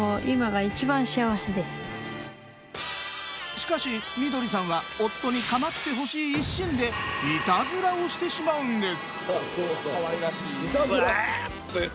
しかしみどりさんは夫に構ってほしい一心でいたずらをしてしまうんです。